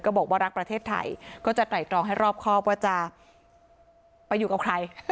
บอกว่ารักประเทศไทยก็จะไตรตรองให้รอบครอบว่าจะไปอยู่กับใคร